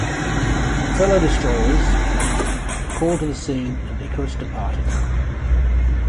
Fellow destroyers and were called to the scene, and "Icarus" departed.